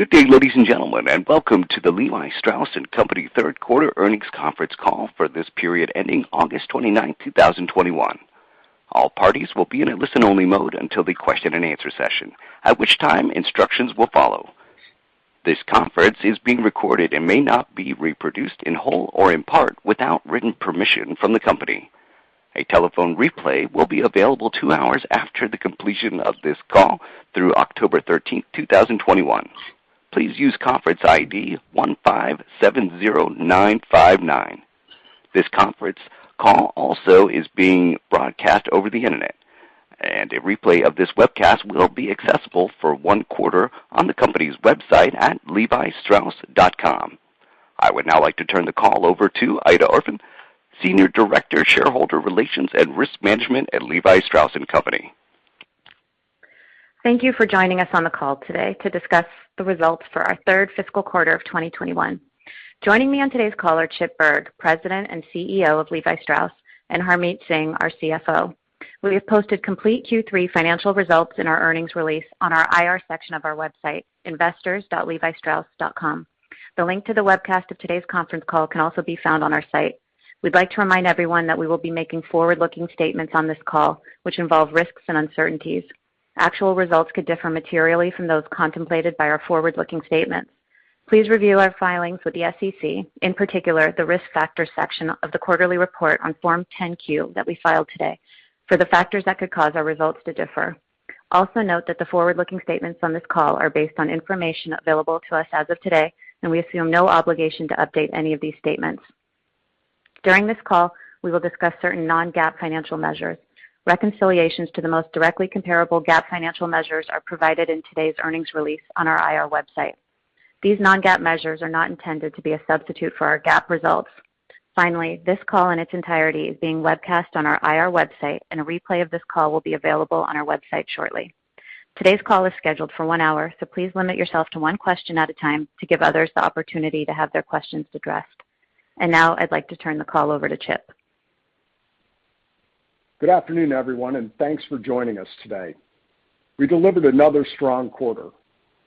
Good day, ladies and gentlemen, welcome to the Levi Strauss & Co. third quarter earnings conference call for this period ending August 29, 2021. All parties will be in a listen-only mode until the question and answer session, at which time instructions will follow. This conference is being recorded and may not be reproduced in whole or in part without written permission from the company. A telephone replay will be available two hours after the completion of this call through October 13, 2021. Please use conference ID 1570959. This conference call also is being broadcast over the internet, a replay of this webcast will be accessible for one quarter on the company's website at levistrauss.com. I would now like to turn the call over to Aida Orphan, Senior Director, Shareholder Relations and Risk Management at Levi Strauss & Co. Thank you for joining us on the call today to discuss the results for our third fiscal quarter of 2021. Joining me on today's call are Chip Bergh, President and CEO of Levi Strauss, and Harmit Singh, our CFO. We have posted complete Q3 financial results in our earnings release on our IR section of our website, investors.levistrauss.com. The link to the webcast of today's conference call can also be found on our site. We'd like to remind everyone that we will be making forward-looking statements on this call, which involve risks and uncertainties. Actual results could differ materially from those contemplated by our forward-looking statements. Please review our filings with the SEC, in particular, the Risk Factors section of the quarterly report on Form 10-Q that we filed today, for the factors that could cause our results to differ. Note that the forward-looking statements on this call are based on information available to us as of today, and we assume no obligation to update any of these statements. During this call, we will discuss certain non-GAAP financial measures. Reconciliations to the most directly comparable GAAP financial measures are provided in today's earnings release on our IR website. These non-GAAP measures are not intended to be a substitute for our GAAP results. Finally, this call in its entirety is being webcast on our IR website, and a replay of this call will be available on our website shortly. Today's call is scheduled for 1 hour, please limit yourself to 1 question at a time to give others the opportunity to have their questions addressed. Now I'd like to turn the call over to Chip. Good afternoon, everyone, and thanks for joining us today. We delivered another strong quarter.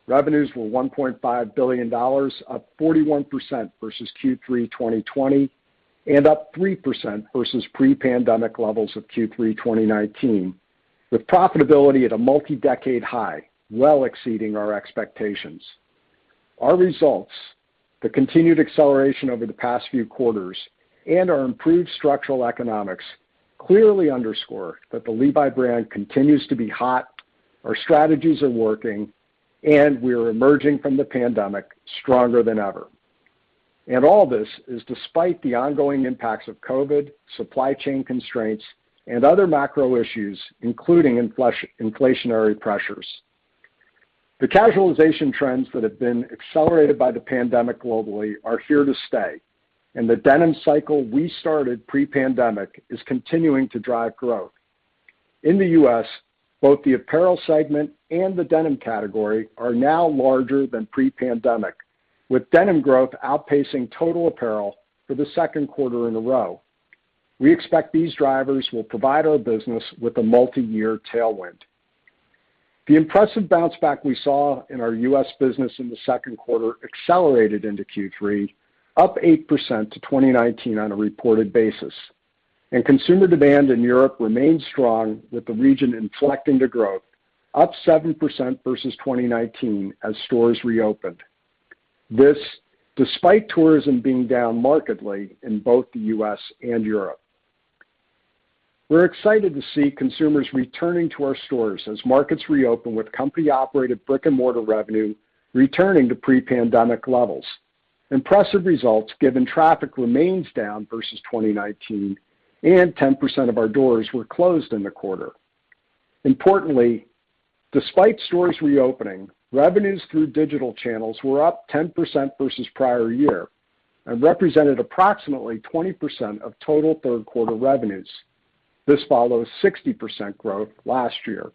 Revenues were $1.5 billion, up 41% versus Q3 2020 and up 3% versus pre-pandemic levels of Q3 2019, with profitability at a multi-decade high, well exceeding our expectations. Our results, the continued acceleration over the past few quarters, and our improved structural economics clearly underscore that the Levi's brand continues to be hot, our strategies are working, and we are emerging from the pandemic stronger than ever. All this is despite the ongoing impacts of COVID, supply chain constraints, and other macro issues, including inflationary pressures. The casualization trends that have been accelerated by the pandemic globally are here to stay, and the denim cycle we started pre-pandemic is continuing to drive growth. In the U.S., both the apparel segment and the denim category are now larger than pre-pandemic, with denim growth outpacing total apparel for the second quarter in a row. We expect these drivers will provide our business with a multi-year tailwind. The impressive bounce back we saw in our U.S. business in the second quarter accelerated into Q3, up 8% to 2019 on a reported basis. Consumer demand in Europe remains strong, with the region inflecting to growth, up 7% versus 2019 as stores reopened. This despite tourism being down markedly in both the U.S. and Europe. We're excited to see consumers returning to our stores as markets reopen with company-operated brick-and-mortar revenue returning to pre-pandemic levels. Impressive results given traffic remains down versus 2019 and 10% of our doors were closed in the quarter. Importantly, despite stores reopening, revenues through digital channels were up 10% versus prior year and represented approximately 20% of total third quarter revenues. This follows 60% growth last year.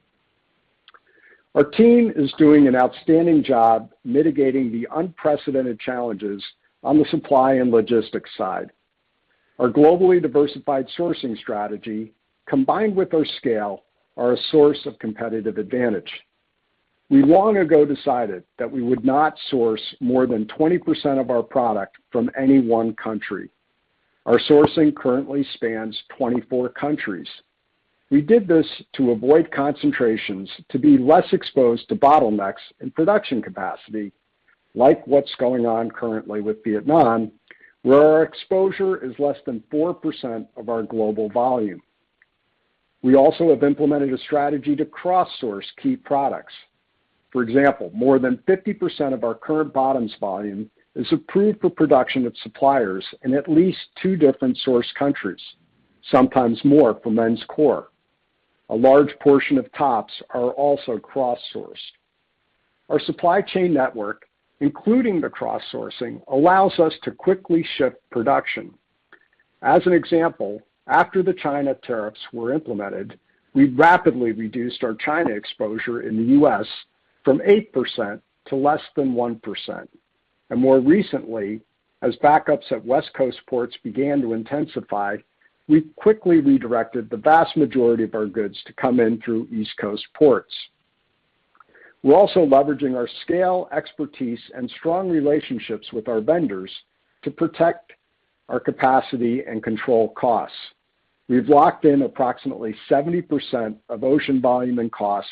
Our team is doing an outstanding job mitigating the unprecedented challenges on the supply and logistics side. Our globally diversified sourcing strategy, combined with our scale, are a source of competitive advantage. We long ago decided that we would not source more than 20% of our product from any one country. Our sourcing currently spans 24 countries. We did this to avoid concentrations to be less exposed to bottlenecks in production capacity, like what's going on currently with Vietnam, where our exposure is less than 4% of our global volume. We also have implemented a strategy to cross-source key products. For example, more than 50% of our current bottoms volume is approved for production with suppliers in at least 2 different source countries, sometimes more for men's core. A large portion of tops are also cross-sourced. Our supply chain network, including the cross-sourcing, allows us to quickly shift production. As an example, after the China tariffs were implemented, we rapidly reduced our China exposure in the U.S. from 8% to less than 1%. More recently, as backups at West Coast ports began to intensify, we quickly redirected the vast majority of our goods to come in through East Coast ports. We're also leveraging our scale, expertise, and strong relationships with our vendors to protect our capacity and control costs. We've locked in approximately 70% of ocean volume and costs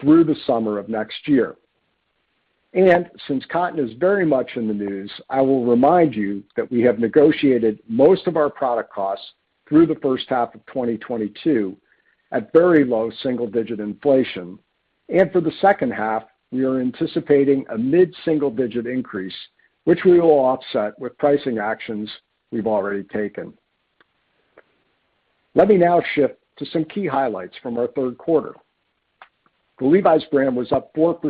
through the summer of next year. Since cotton is very much in the news, I will remind you that we have negotiated most of our product costs through the first half of 2022 at very low single-digit inflation. For the second half, we are anticipating a mid-single digit increase, which we will offset with pricing actions we've already taken. Let me now shift to some key highlights from our third quarter. The Levi's brand was up 4%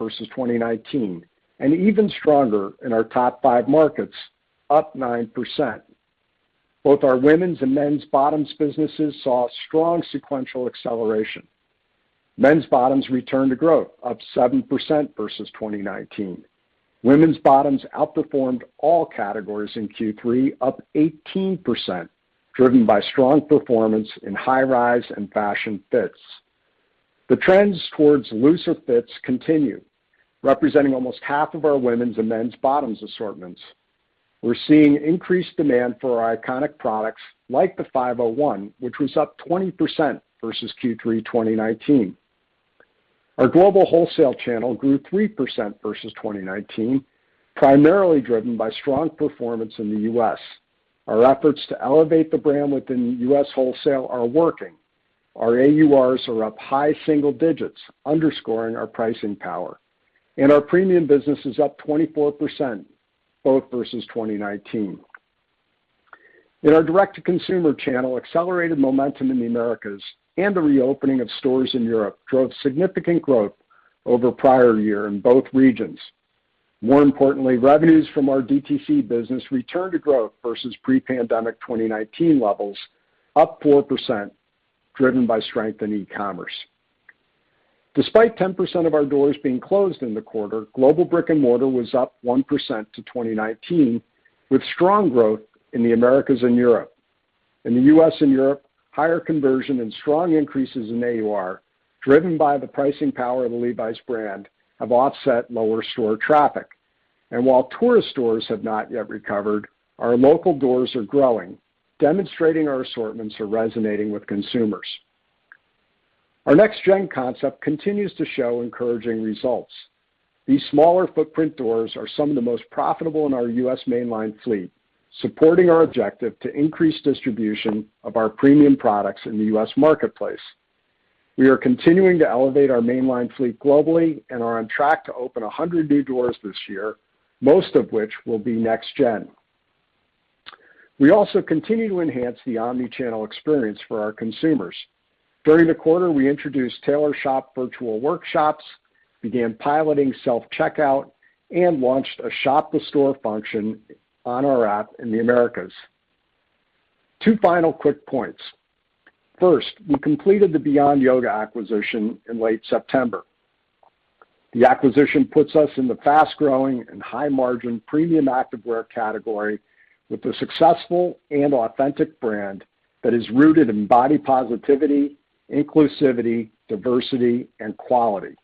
versus 2019, and even stronger in our top five markets, up 9%. Both our women's and men's bottoms businesses saw strong sequential acceleration. Men's bottoms returned to growth, up 7% versus 2019. Women's bottoms outperformed all categories in Q3, up 18%, driven by strong performance in high-rise and fashion fits. The trends towards looser fits continue, representing almost half of our women's and men's bottoms assortments. We're seeing increased demand for our iconic products like the 501, which was up 20% versus Q3 2019. Our global wholesale channel grew 3% versus 2019, primarily driven by strong performance in the U.S. Our efforts to elevate the brand within U.S. wholesale are working. Our AURs are up high single digits, underscoring our pricing power, and our premium business is up 24%, both versus 2019. In our direct-to-consumer channel, accelerated momentum in the Americas and the reopening of stores in Europe drove significant growth over prior year in both regions. More importantly, revenues from our DTC business returned to growth versus pre-pandemic 2019 levels, up 4%, driven by strength in e-commerce. Despite 10% of our doors being closed in the quarter, global brick and mortar was up 1% to 2019, with strong growth in the Americas and Europe. In the U.S. and Europe, higher conversion and strong increases in AUR, driven by the pricing power of the Levi's brand, have offset lower store traffic. While tourist stores have not yet recovered, our local doors are growing, demonstrating our assortments are resonating with consumers. Our NextGen concept continues to show encouraging results. These smaller footprint doors are some of the most profitable in our U.S. mainline fleet, supporting our objective to increase distribution of our premium products in the U.S. marketplace. We are continuing to elevate our mainline fleet globally and are on track to open 100 new doors this year, most of which will be NextGen. We also continue to enhance the omni-channel experience for our consumers. During the quarter, we introduced Tailor Shop virtual workshops, began piloting self-checkout, and launched a shop with store function on our app in the Americas. Two final quick points. First, we completed the Beyond Yoga acquisition in late September. The acquisition puts us in the fast-growing and high-margin premium activewear category with a successful and authentic brand that is rooted in body positivity, inclusivity, diversity, and quality.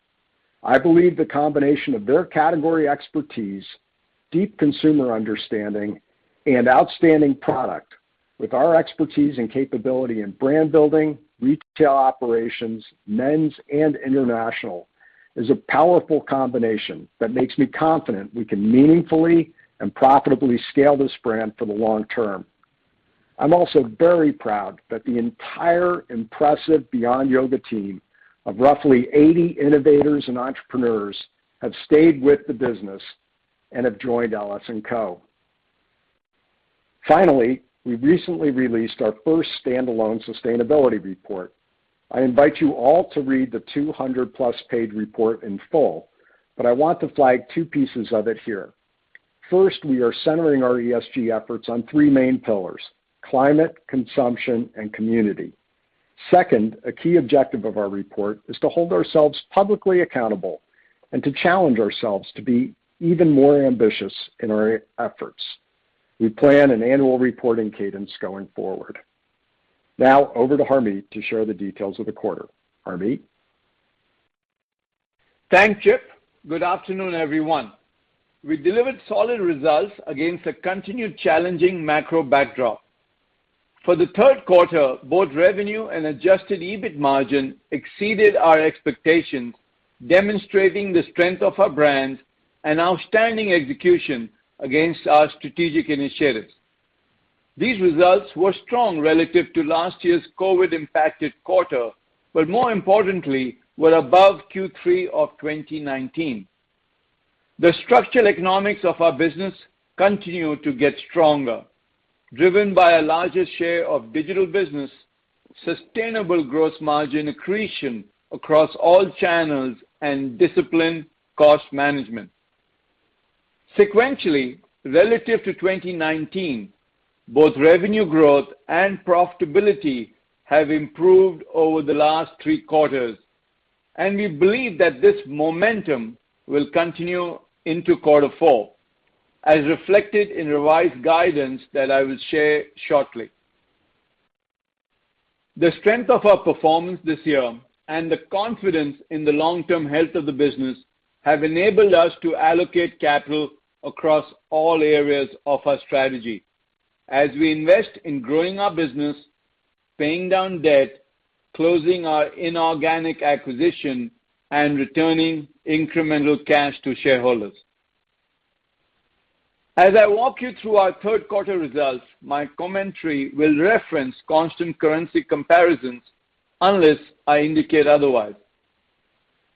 I believe the combination of their category expertise, deep consumer understanding, and outstanding product with our expertise and capability in brand building, retail operations, men's and international is a powerful combination that makes me confident we can meaningfully and profitably scale this brand for the long term. I'm also very proud that the entire impressive Beyond Yoga team of roughly 80 innovators and entrepreneurs have stayed with the business and have joined LS&Co. Finally, we recently released our first standalone sustainability report. I invite you all to read the 200-plus page report in full, but I want to flag two pieces of it here. First, we are centering our ESG efforts on 3 main pillars: climate, consumption, and community. Second, a key objective of our report is to hold ourselves publicly accountable and to challenge ourselves to be even more ambitious in our efforts. We plan an annual reporting cadence going forward. Now over to Harmit to share the details of the quarter. Harmit? Thanks, Chip. Good afternoon, everyone. We delivered solid results against a continued challenging macro backdrop. For the third quarter, both revenue and adjusted EBIT margin exceeded our expectations, demonstrating the strength of our brands and outstanding execution against our strategic initiatives. These results were strong relative to last year's COVID impacted quarter, but more importantly, were above Q3 of 2019. The structural economics of our business continue to get stronger, driven by a larger share of digital business, sustainable gross margin accretion across all channels, and disciplined cost management. Sequentially, relative to 2019, both revenue growth and profitability have improved over the last three quarters. We believe that this momentum will continue into quarter four, as reflected in revised guidance that I will share shortly. The strength of our performance this year and the confidence in the long-term health of the business have enabled us to allocate capital across all areas of our strategy as we invest in growing our business, paying down debt, closing our inorganic acquisition, and returning incremental cash to shareholders. As I walk you through our third quarter results, my commentary will reference constant currency comparisons unless I indicate otherwise.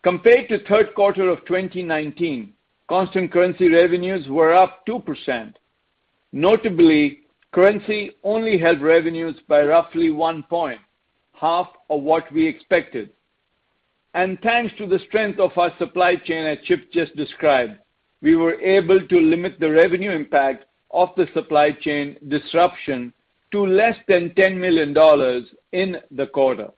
Compared to third quarter of 2019, constant currency revenues were up 2%. Notably, currency only held revenues by roughly 1 point, half of what we expected. Thanks to the strength of our supply chain, as Chip just described, we were able to limit the revenue impact of the supply chain disruption to less than $10 million in the quarter.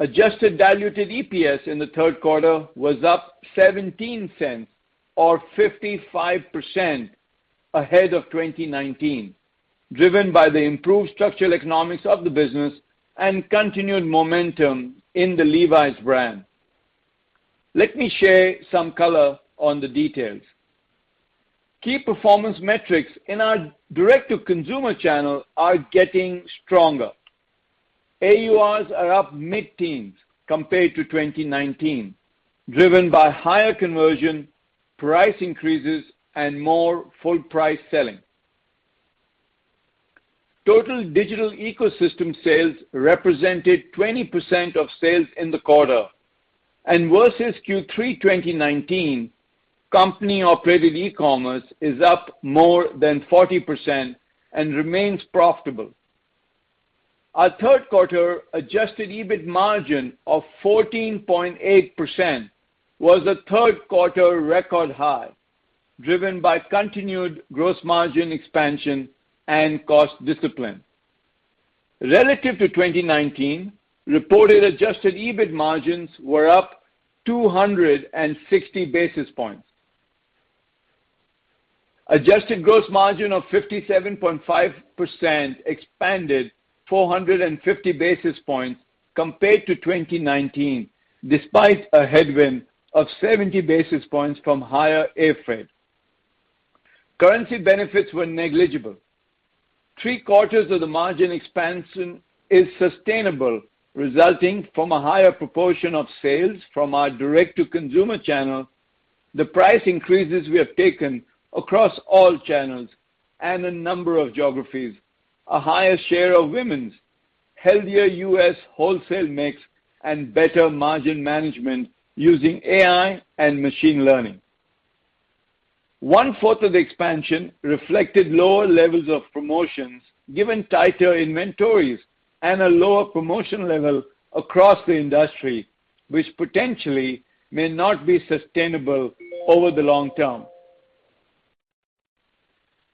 Adjusted diluted EPS in the third quarter was up $0.17 or 55% ahead of 2019, driven by the improved structural economics of the business and continued momentum in the Levi's brand. Let me share some color on the details. Key performance metrics in our direct-to-consumer channel are getting stronger. AURs are up mid-teens compared to 2019, driven by higher conversion, price increases, and more full price selling. Total digital ecosystem sales represented 20% of sales in the quarter. Versus Q3 2019, company-operated e-commerce is up more than 40% and remains profitable. Our third quarter adjusted EBIT margin of 14.8% was a third quarter record high, driven by continued gross margin expansion and cost discipline. Relative to 2019, reported adjusted EBIT margins were up 260 basis points. Adjusted gross margin of 57.5% expanded 450 basis points compared to 2019, despite a headwind of 70 basis points from higher air freight. Currency benefits were negligible. Three-quarters of the margin expansion is sustainable, resulting from a higher proportion of sales from our direct-to-consumer channel, the price increases we have taken across all channels and a number of geographies, a higher share of women's, healthier U.S. wholesale mix, and better margin management using AI and machine learning. One-fourth of the expansion reflected lower levels of promotions given tighter inventories and a lower promotion level across the industry, which potentially may not be sustainable over the long term.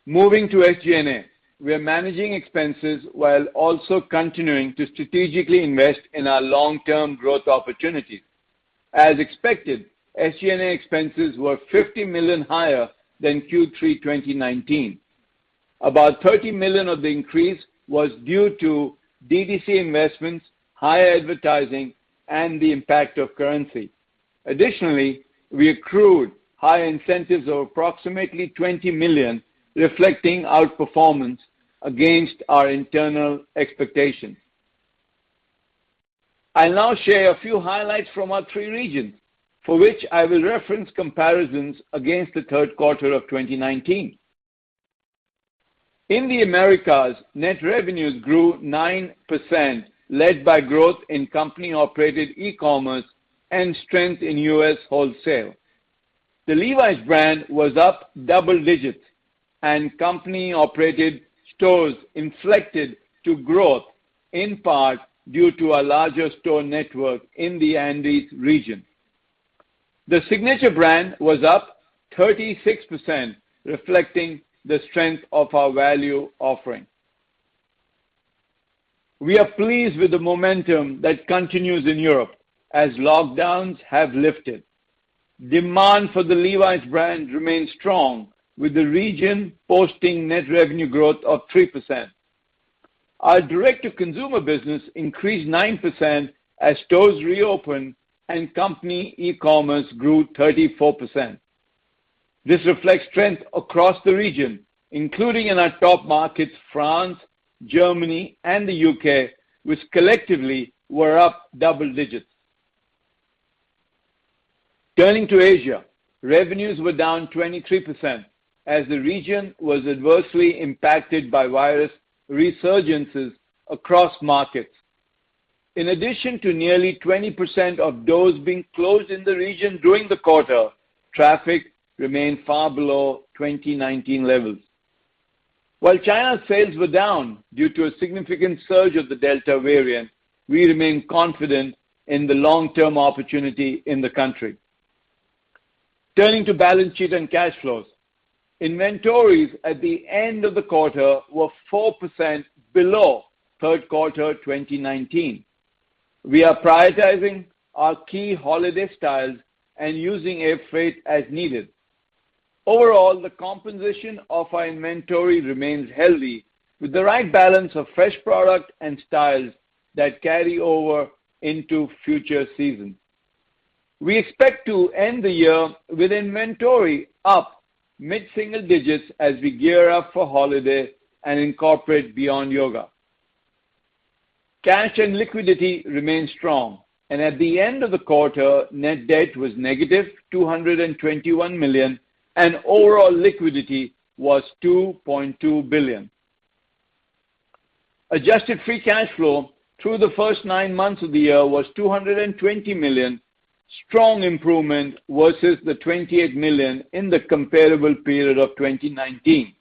Moving to SG&A. We are managing expenses while also continuing to strategically invest in our long-term growth opportunities. As expected, SG&A expenses were $50 million higher than Q3 2019. About $30 million of the increase was due to DTC investments, higher advertising, and the impact of currency. We accrued high incentives of approximately $20 million, reflecting outperformance against our internal expectations. I'll now share a few highlights from our three regions for which I will reference comparisons against the third quarter of 2019. In the Americas, net revenues grew 9%, led by growth in company-operated e-commerce and strength in U.S. wholesale. The Levi's brand was up double digits and company-operated stores inflected to growth, in part due to a larger store network in the Andes region. The Signature brand was up 36%, reflecting the strength of our value offering. We are pleased with the momentum that continues in Europe as lockdowns have lifted. Demand for the Levi's brand remains strong, with the region posting net revenue growth of 3%. Our direct-to-consumer business increased 9% as stores reopened and company e-commerce grew 34%. This reflects strength across the region, including in our top markets, France, Germany, and the U.K., which collectively were up double digits. Turning to Asia, revenues were down 23% as the region was adversely impacted by virus resurgences across markets. In addition to nearly 20% of doors being closed in the region during the quarter, traffic remained far below 2019 levels. While China sales were down due to a significant surge of the Delta variant, we remain confident in the long-term opportunity in the country. Turning to balance sheet and cash flows. Inventories at the end of the quarter were 4% below third quarter 2019. We are prioritizing our key holiday styles and using air freight as needed. Overall, the composition of our inventory remains healthy with the right balance of fresh product and styles that carry over into future seasons. We expect to end the year with inventory up mid-single digits as we gear up for holiday and incorporate Beyond Yoga. Cash and liquidity remain strong, and at the end of the quarter, net debt was negative $221 million, and overall liquidity was $2.2 billion. Adjusted free cash flow through the first nine months of the year was $220 million, strong improvement versus the $28 million in the comparable period of 2019.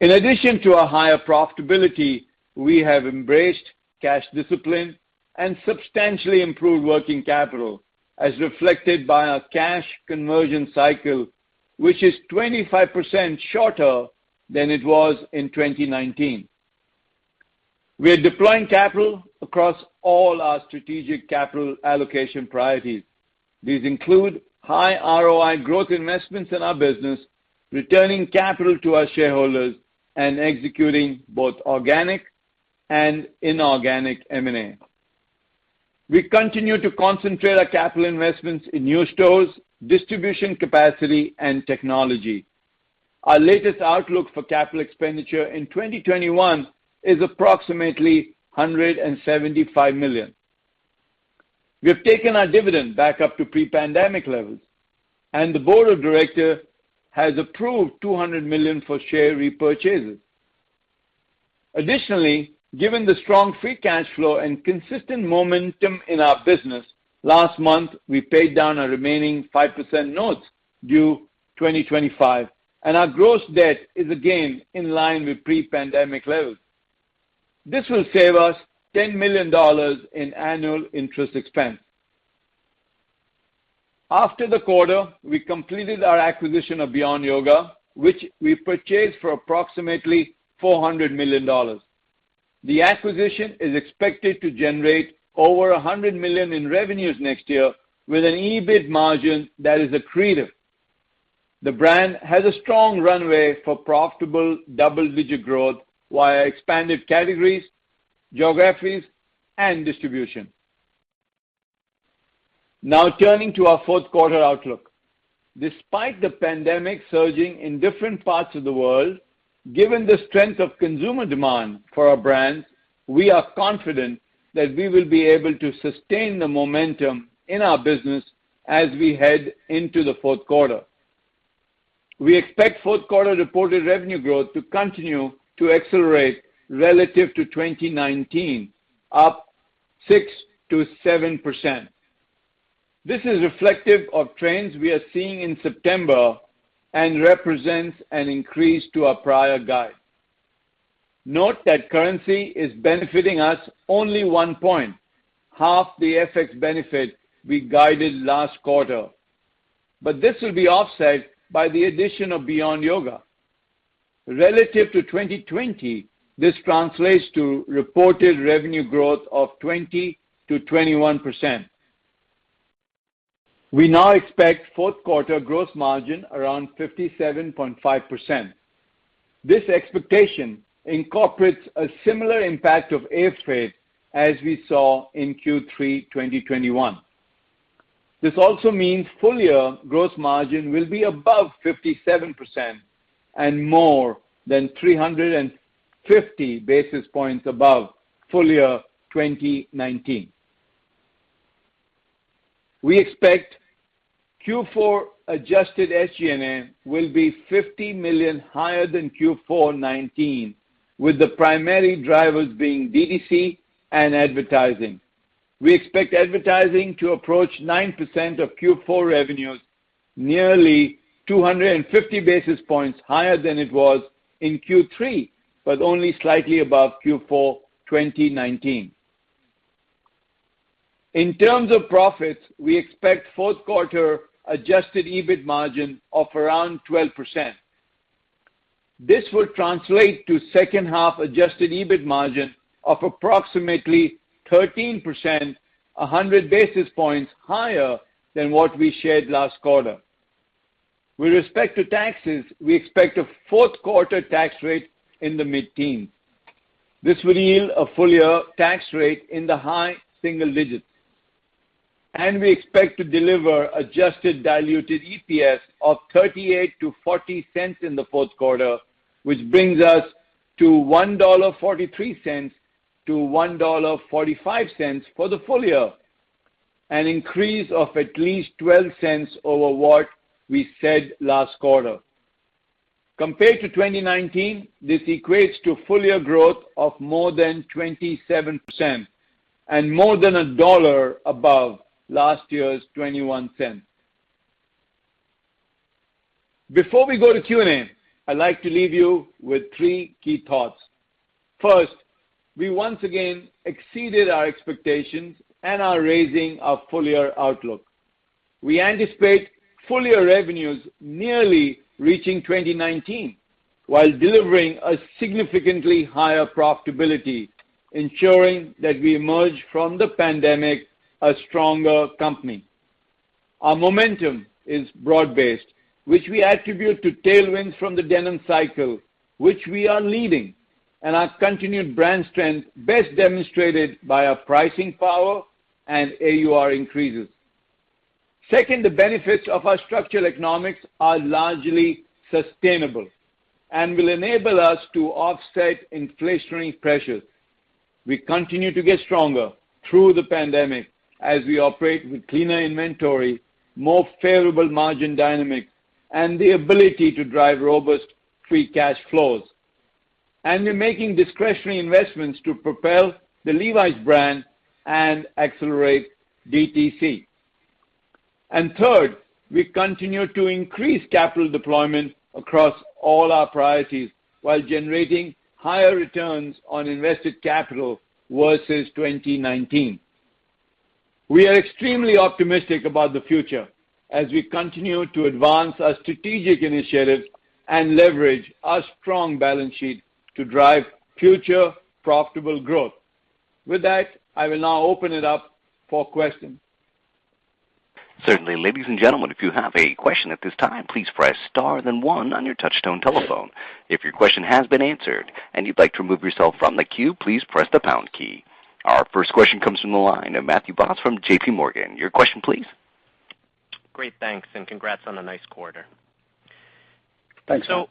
In addition to our higher profitability, we have embraced cash discipline and substantially improved working capital, as reflected by our cash conversion cycle, which is 25% shorter than it was in 2019. We are deploying capital across all our strategic capital allocation priorities. These include high ROI growth investments in our business, returning capital to our shareholders, and executing both organic and inorganic M&A. We continue to concentrate our capital investments in new stores, distribution capacity, and technology. Our latest outlook for capital expenditure in 2021 is approximately $175 million. We have taken our dividend back up to pre-pandemic levels, and the board of directors has approved $200 million for share repurchases. Additionally, given the strong free cash flow and consistent momentum in our business, last month, we paid down our remaining 5% notes due 2025, and our gross debt is again in line with pre-pandemic levels. This will save us $10 million in annual interest expense. After the quarter, we completed our acquisition of Beyond Yoga, which we purchased for approximately $400 million. The acquisition is expected to generate over $100 million in revenues next year with an EBIT margin that is accretive. The brand has a strong runway for profitable double-digit growth via expanded categories, geographies, and distribution. Now, turning to our fourth quarter outlook. Despite the pandemic surging in different parts of the world, given the strength of consumer demand for our brands, we are confident that we will be able to sustain the momentum in our business as we head into the fourth quarter. We expect fourth quarter reported revenue growth to continue to accelerate relative to 2019, up 6%-7%. This is reflective of trends we are seeing in September and represents an increase to our prior guide. Note that currency is benefiting us only 1 point, half the FX benefit we guided last quarter, but this will be offset by the addition of Beyond Yoga. Relative to 2020, this translates to reported revenue growth of 20%-21%. We now expect fourth quarter gross margin around 57.5%. This expectation incorporates a similar impact of air freight as we saw in Q3 2021. This also means full-year gross margin will be above 57% and more than 350 basis points above full-year 2019. We expect Q4 adjusted SG&A will be $50 million higher than Q4 2019, with the primary drivers being DTC and advertising. We expect advertising to approach 9% of Q4 revenues, nearly 250 basis points higher than it was in Q3, but only slightly above Q4 2019. In terms of profits, we expect fourth quarter adjusted EBIT margin of around 12%. This will translate to second half adjusted EBIT margin of approximately 13%, 100 basis points higher than what we shared last quarter. With respect to taxes, we expect a fourth quarter tax rate in the mid-teens. This will yield a full-year tax rate in the high single digits. We expect to deliver adjusted diluted EPS of $0.38-$0.40 in the fourth quarter, which brings us to $1.43-$1.45 for the full year, an increase of at least $0.12 over what we said last quarter. Compared to 2019, this equates to full-year growth of more than 27% and more than $1 above last year's $0.21. Before we go to Q&A, I'd like to leave you with three key thoughts. First, we once again exceeded our expectations and are raising our full-year outlook. We anticipate full-year revenues nearly reaching 2019, while delivering a significantly higher profitability, ensuring that we emerge from the pandemic a stronger company. Our momentum is broad based, which we attribute to tailwinds from the denim cycle, which we are leading, and our continued brand strength, best demonstrated by our pricing power and AUR increases. Second, the benefits of our structural economics are largely sustainable and will enable us to offset inflationary pressures. We continue to get stronger through the pandemic as we operate with cleaner inventory, more favorable margin dynamic, and the ability to drive robust free cash flows. We're making discretionary investments to propel the Levi's brand and accelerate DTC. Third, we continue to increase capital deployment across all our priorities while generating higher returns on invested capital versus 2019. We are extremely optimistic about the future as we continue to advance our strategic initiatives and leverage our strong balance sheet to drive future profitable growth. With that, I will now open it up for questions. Certainly. Ladies and gentlemen, if you have a question at this time, please press star then one on your touchtone telephone. If your question has been answered and you'd like to remove yourself from the queue, please press the pound key. Our first question comes from the line of Matthew Boss from JPMorgan. Your question please. Great. Thanks, and congrats on a nice quarter. Thanks, Matt.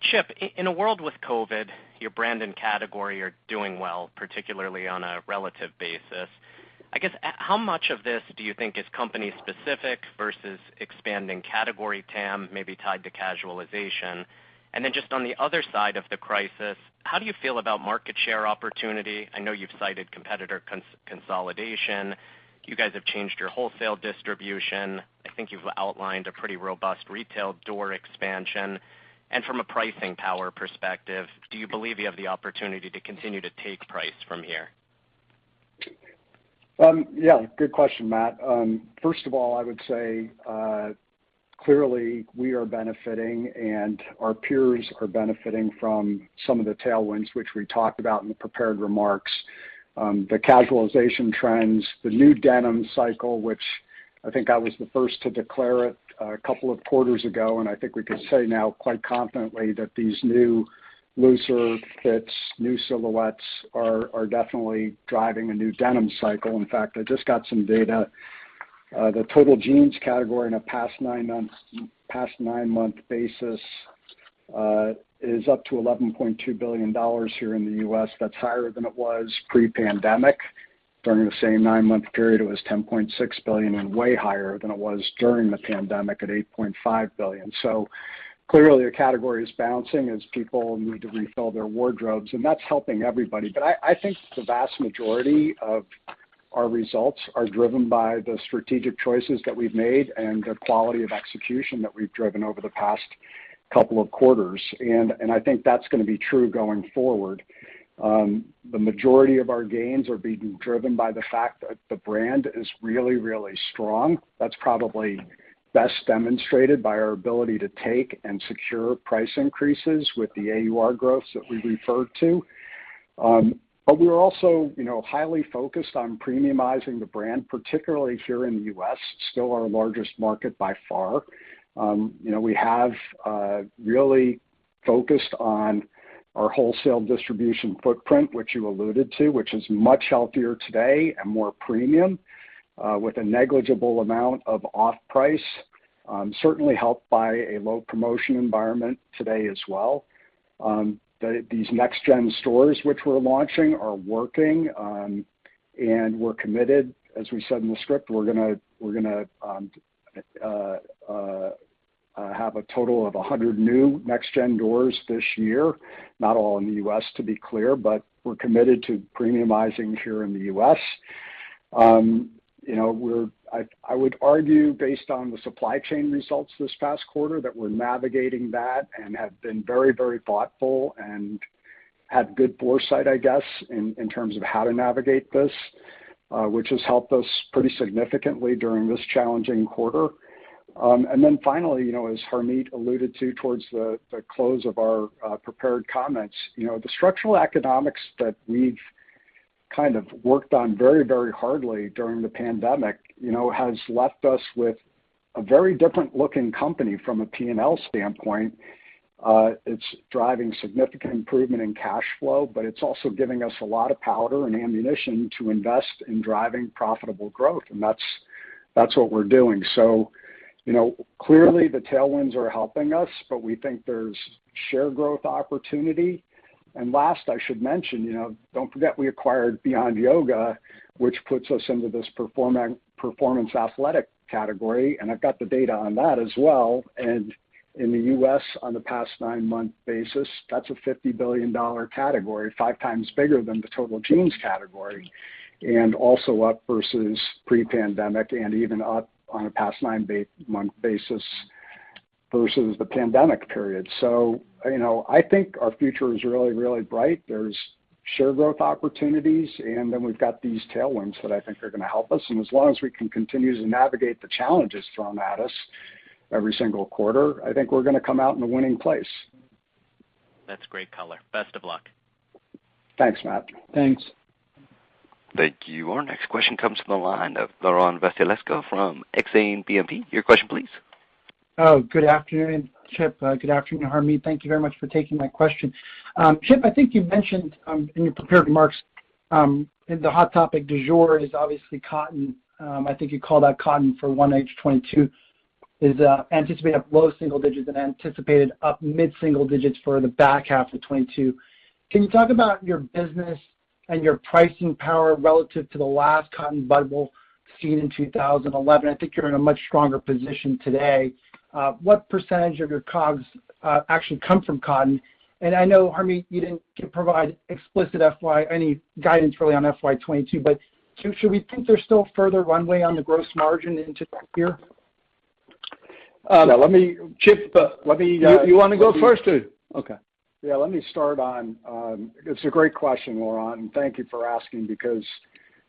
Chip, in a world with COVID, your brand and category are doing well, particularly on a relative basis. I guess, how much of this do you think is company specific versus expanding category TAM, maybe tied to casualization? Just on the other side of the crisis, how do you feel about market share opportunity? I know you've cited competitor consolidation. You guys have changed your wholesale distribution. I think you've outlined a pretty robust retail door expansion. From a pricing power perspective, do you believe you have the opportunity to continue to take price from here? Good question, Matt. First of all, I would say, clearly we are benefiting and our peers are benefiting from some of the tailwinds which we talked about in the prepared remarks. The casualization trends, the new denim cycle, which I think I was the first to declare it a couple of quarters ago, and I think we could say now quite confidently that these new looser fits, new silhouettes are definitely driving a new denim cycle. In fact, I just got some data. The total jeans category in the past nine-month basis is up to $11.2 billion here in the U.S. That's higher than it was pre-pandemic. During the same nine-month period, it was $10.6 billion and way higher than it was during the pandemic at $8.5 billion. Clearly, the category is bouncing as people need to refill their wardrobes, and that's helping everybody. I think the vast majority of our results are driven by the strategic choices that we've made and the quality of execution that we've driven over the past couple of quarters. I think that's going to be true going forward. The majority of our gains are being driven by the fact that the brand is really, really strong. That's probably best demonstrated by our ability to take and secure price increases with the AUR growths that we referred to. We're also highly focused on premiumizing the brand, particularly here in the U.S., still our largest market by far. We have really focused on our wholesale distribution footprint, which you alluded to, which is much healthier today and more premium, with a negligible amount of off-price. Certainly helped by a low promotion environment today as well. These NextGen stores which we're launching are working. We're committed, as we said in the script, we're going to have a total of 100 new NextGen doors this year. Not all in the U.S., to be clear, but we're committed to premiumizing here in the U.S. I would argue based on the supply chain results this past quarter, that we're navigating that and have been very thoughtful and had good foresight, I guess, in terms of how to navigate this, which has helped us pretty significantly during this challenging quarter. Finally, as Harmit alluded to towards the close of our prepared comments, the structural economics that we've kind of worked on very hardly during the pandemic has left us with a very different looking company from a P&L standpoint. It's driving significant improvement in cash flow, but it's also giving us a lot of powder and ammunition to invest in driving profitable growth, and that's what we're doing. Clearly the tailwinds are helping us, but we think there's share growth opportunity. Last I should mention, don't forget we acquired Beyond Yoga, which puts us into this performance athletic category, and I've got the data on that as well. In the U.S. on the past nine-month basis, that's a $50 billion category, five times bigger than the total jeans category. Also up versus pre-pandemic, and even up on a past 9-month basis versus the pandemic period. I think our future is really, really bright. There's share growth opportunities, and then we've got these tailwinds that I think are going to help us, and as long as we can continue to navigate the challenges thrown at us every single quarter, I think we're going to come out in a winning place. That's great color. Best of luck. Thanks, Matt. Thanks. Thank you. Our next question comes from the line of Laurent Vasilescu from Exane BNP. Your question, please. Oh, good afternoon, Chip. Good afternoon, Harmit. Thank you very much for taking my question. Chip, I think you mentioned in your prepared remarks, the hot topic du jour is obviously cotton. I think you called out cotton for 1H 2022 is anticipating up low single digits and anticipated up mid-single digits for the back half of 2022. Can you talk about your business and your pricing power relative to the last cotton bubble seen in 2011? I think you're in a much stronger position today. What percentage of your COGS actually come from cotton? I know, Harmit, you didn't provide explicit FY, any guidance really on FY 2022, but should we think there's still further runway on the gross margin into next year? Let me- Chip- You want to go first or Okay? Yeah, let me start on It's a great question, Laurent, and thank you for asking because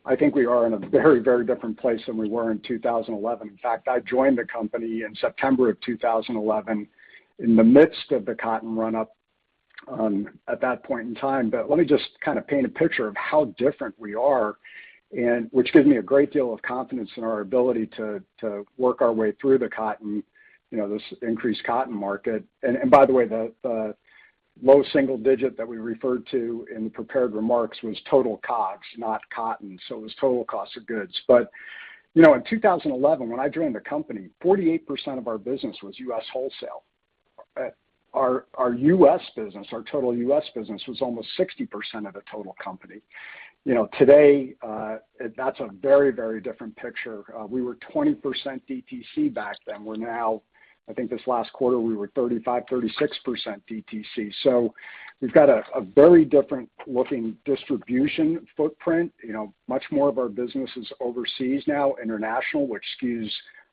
I think we are in a very, very different place than we were in 2011. In fact, I joined the company in September of 2011 in the midst of the cotton run-up at that point in time. Let me just paint a picture of how different we are, which gives me a great deal of confidence in our ability to work our way through this increased cotton market. By the way, the low single digit that we referred to in the prepared remarks was total COGS, not cotton. It was total cost of goods. In 2011, when I joined the company, 48% of our business was U.S. wholesale. Our total U.S. business was almost 60% of the total company. Today, that's a very, very different picture. We were 20% DTC back then. We're now, I think this last quarter, we were 35%, 36% DTC. We've got a very different looking distribution footprint. Much more of our business is overseas now, international, which skews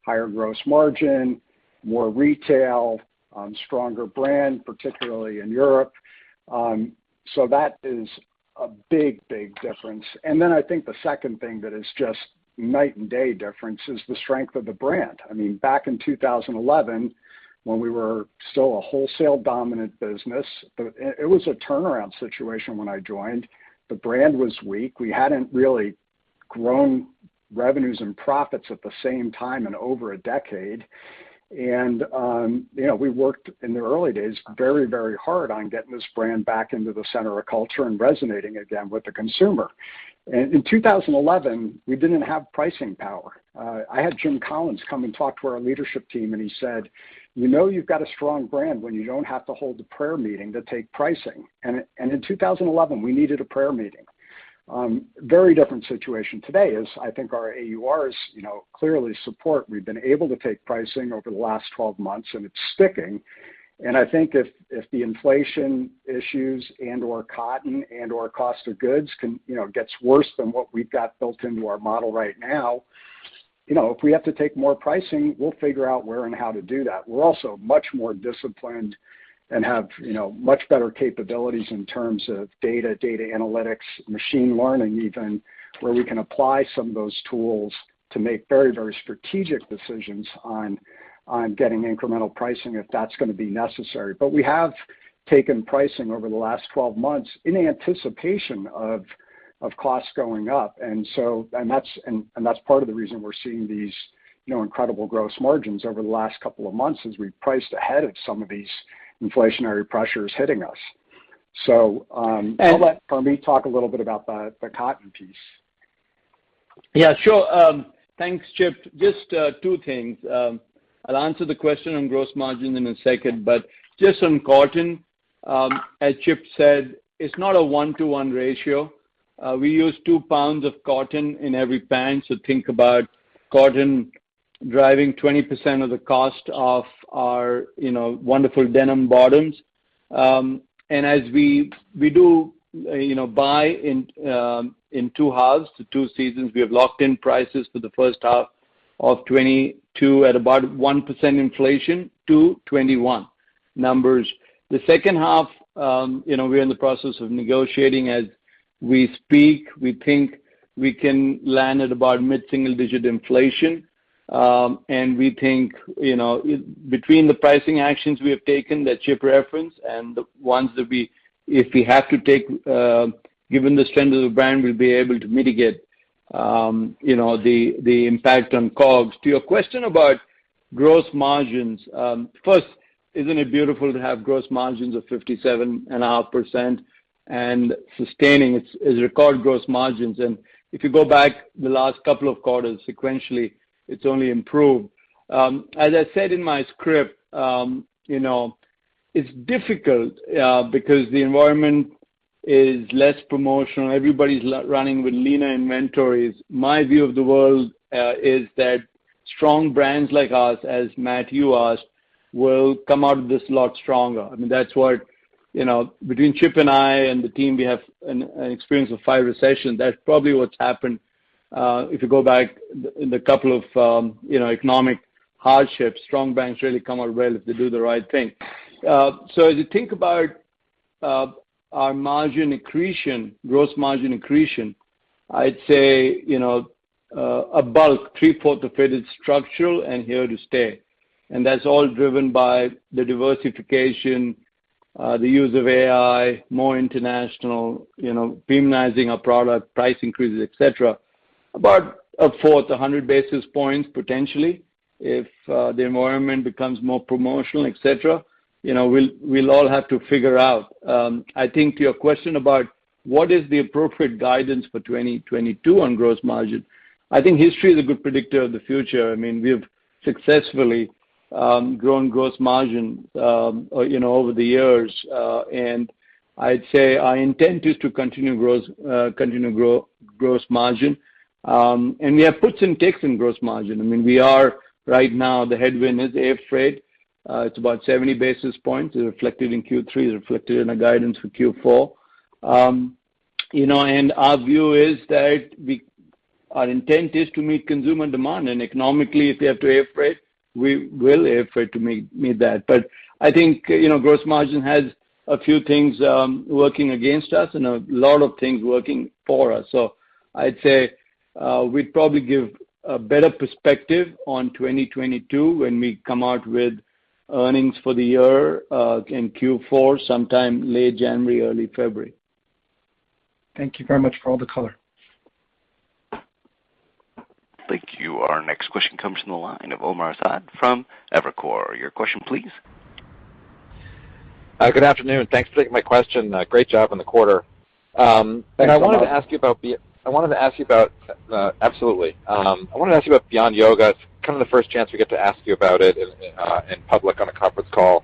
higher gross margin, more retail, stronger brand, particularly in Europe. That is a big, big difference. Then I think the second thing that is just night and day difference is the strength of the brand. Back in 2011, when we were still a wholesale-dominant business, it was a turnaround situation when I joined. The brand was weak. We hadn't really grown revenues and profits at the same time in over a decade. In 2011, we didn't have pricing power. I had Jim Collins come and talk to our leadership team. He said, "You know you've got a strong brand when you don't have to hold a prayer meeting to take pricing." In 2011, we needed a prayer meeting. Very different situation today as I think our AURs clearly support. We've been able to take pricing over the last 12 months. It's sticking. I think if the inflation issues and/or cotton and/or cost of goods gets worse than what we've got built into our model right now, if we have to take more pricing, we'll figure out where and how to do that. We're also much more disciplined and have much better capabilities in terms of data analytics, machine learning even, where we can apply some of those tools to make very, very strategic decisions on getting incremental pricing if that's going to be necessary. We have taken pricing over the last 12 months in anticipation of costs going up. That's part of the reason we're seeing these incredible gross margins over the last couple of months as we priced ahead of some of these inflationary pressures hitting us. I'll let Harmit talk a little bit about the cotton piece. Yeah, sure. Thanks, Chip. Just 2 things. I'll answer the question on gross margin in a second. Just on cotton, as Chip said, it's not a 1-to-1 ratio. We use 2 pounds of cotton in every pant, so think about cotton driving 20% of the cost of our wonderful denim bottoms. As we do buy in 2 halves, the 2 seasons, we have locked in prices for the first half of 2022 at about 1% inflation to 2021 numbers. The second half, we're in the process of negotiating as we speak. We think we can land at about mid-single digit inflation. We think between the pricing actions we have taken that Chip referenced and the ones that if we have to take, given the strength of the brand, we'll be able to mitigate the impact on COGS. To your question about gross margins, first, isn't it beautiful to have gross margins of 57.5% and sustaining its record gross margins? If you go back the last couple of quarters sequentially, it's only improved. As I said in my script, it's difficult because the environment is less promotional. Everybody's running with leaner inventories. My view of the world is that strong brands like us, as Matt, you asked, will come out of this a lot stronger. Between Chip and I and the team, we have an experience of five recessions. That's probably what's happened. If you go back in the couple of economic hardships, strong brands really come out well if they do the right thing. As you think about our margin accretion, gross margin accretion, I'd say, about three-fourths of it is structural and here to stay. That's all driven by the diversification, the use of AI, more international, premiumizing our product, price increases, et cetera. About a fourth, 100 basis points, potentially, if the environment becomes more promotional, et cetera. We'll all have to figure out. I think to your question about what is the appropriate guidance for 2022 on gross margin, I think history is a good predictor of the future. We've successfully grown gross margin over the years, and I'd say our intent is to continue to grow gross margin. We have puts and takes in gross margin. Right now, the headwind is air freight. It's about 70 basis points. It's reflected in Q3, it's reflected in the guidance for Q4. Our view is that our intent is to meet consumer demand, and economically, if we have to air freight, we will air freight to meet that. I think gross margin has a few things working against us and a lot of things working for us. I'd say we'd probably give a better perspective on 2022 when we come out with earnings for the year in Q4, sometime late January, early February. Thank you very much for all the color. Thank you. Our next question comes from the line of Omar Saad from Evercore. Your question, please. Good afternoon. Thanks for taking my question. Great job on the quarter. Thanks, Omar. Absolutely. I wanted to ask you about Beyond Yoga. It's kind of the first chance we get to ask you about it in public on a conference call.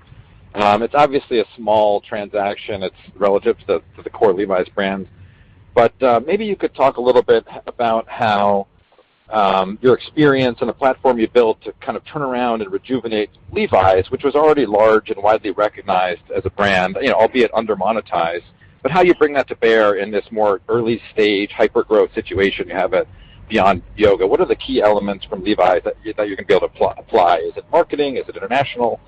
It's obviously a small transaction. It's relative to the core Levi's brand. But maybe you could talk a little bit about how your experience and the platform you built to kind of turn around and rejuvenate Levi's, which was already large and widely recognized as a brand, albeit under-monetized, but how you bring that to bear in this more early-stage hyper-growth situation you have at Beyond Yoga. What are the key elements from Levi's that you think you're going to be able to apply? Is it marketing? Is it international?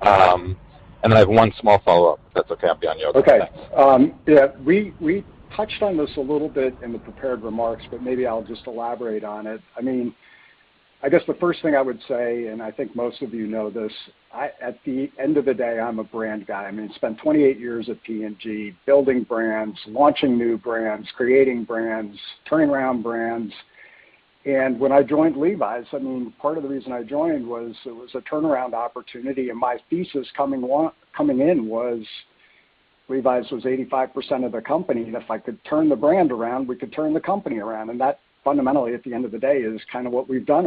I have one small follow-up, if that's okay, on Beyond Yoga. Okay. Yeah, we touched on this a little bit in the prepared remarks, but maybe I'll just elaborate on it. I guess the first thing I would say, and I think most of you know this, at the end of the day, I'm a brand guy. I spent 28 years at P&G building brands, launching new brands, creating brands, turning around brands. When I joined Levi's, part of the reason I joined was it was a turnaround opportunity, and my thesis coming in was Levi's was 85% of the company, and if I could turn the brand around, we could turn the company around. That fundamentally, at the end of the day, is kind of what we've done.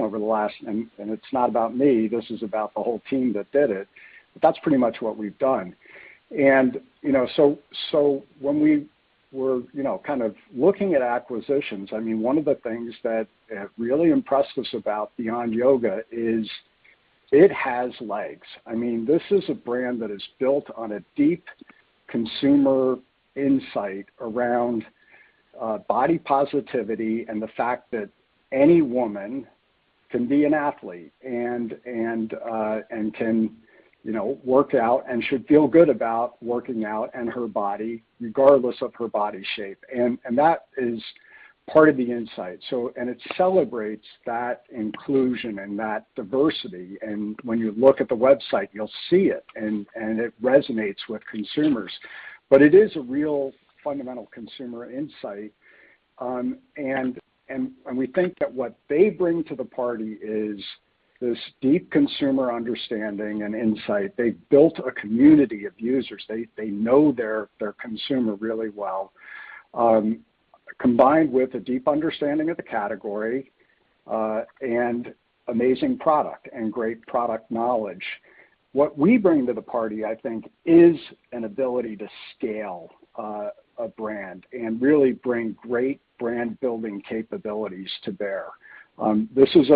It's not about me, this is about the whole team that did it, but that's pretty much what we've done. When we were kind of looking at acquisitions, one of the things that really impressed us about Beyond Yoga is it has legs. This is a brand that is built on a deep consumer insight around body positivity and the fact that any woman can be an athlete and can work out and should feel good about working out and her body, regardless of her body shape. That is part of the insight. It celebrates that inclusion and that diversity, and when you look at the website, you'll see it, and it resonates with consumers. It is a real fundamental consumer insight. We think that what they bring to the party is this deep consumer understanding and insight. They've built a community of users. They know their consumer really well. Combined with a deep understanding of the category, and amazing product, and great product knowledge. What we bring to the party, I think, is an ability to scale a brand and really bring great brand-building capabilities to bear. This is